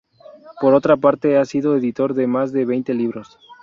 Por otra parte, ha sido editor de más de veinte libros.